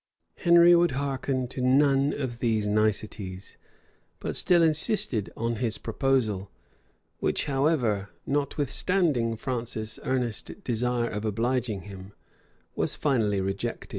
[*] Henry would hearken to none of these niceties, but still insisted on his proposal; which, however, notwithstanding Francis's earnest desire of obliging him, was finally rejected.